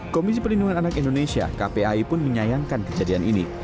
komisi perlindungan anak indonesia kpai pun menyayangkan kejadian ini